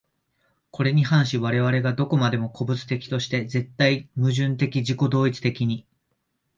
これに反し我々が何処までも個物的として、絶対矛盾的自己同一的に、